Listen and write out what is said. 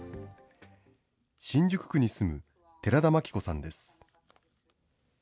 新宿区に住む寺田牧子さんです。